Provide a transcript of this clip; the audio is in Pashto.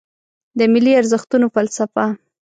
د ملي ارزښتونو فلسفه